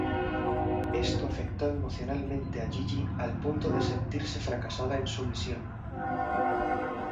Esto afectó emocionalmente a Gigi al punto de sentirse fracasada en su misión.